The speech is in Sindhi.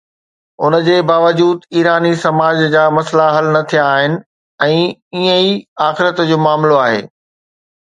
ان جي باوجود ايراني سماج جا مسئلا حل نه ٿيا آهن ۽ ائين ئي آخرت جو معاملو آهي.